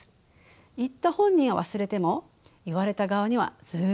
言った本人は忘れても言われた側にはずっと残ります。